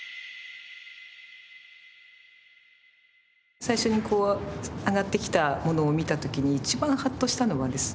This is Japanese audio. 最初にこう上がってきたものを見た時に一番ハッとしたのはですね